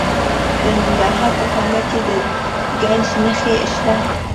د ننګرهار په کامه کې د ګچ نښې شته.